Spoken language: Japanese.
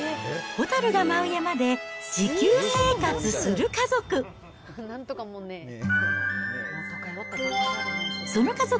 ホタルが舞う山で自給生活する家族。